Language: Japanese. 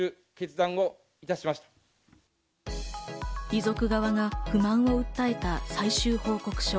遺族側が不満を訴えた最終報告書。